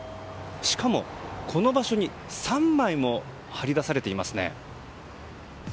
しかも、この場所に３枚も貼り出されていますね。